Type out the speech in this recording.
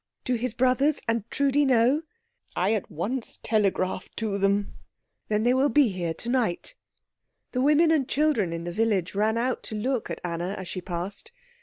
"Do his brothers and Trudi know?" "I at once telegraphed to them." "Then they will be here to night." The women and children in the village ran out to look at Anna as she passed.